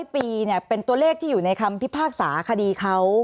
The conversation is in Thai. ๐ปีเป็นตัวเลขที่อยู่ในคำพิพากษาคดีเขา